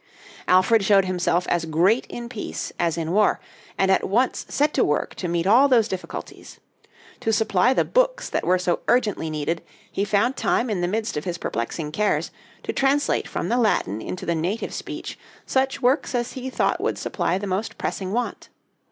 Alfred showed himself as great in peace as in war, and at once set to work to meet all those difficulties. To supply the books that were so urgently needed, he found time in the midst of his perplexing cares to translate from the Latin into the native speech such works as he thought would supply the most pressing want.